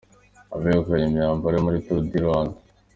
Abegukanye imyambaro yo muri Tour du Rwanda:.